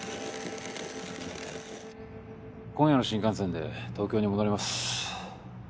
今夜の新幹線で東京に戻ります。